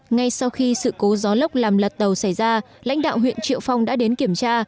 ngay sau khi sự cố gió lốc làm lật tàu xảy ra lãnh đạo huyện triệu phong đã đến kiểm tra